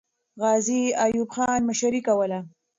غازي ایوب خان مشري کوله.